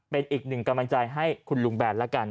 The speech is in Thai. เป็นอีกหนึ่งกำลังใจให้คุณลุงแบนแล้วกัน